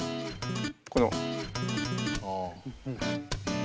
この。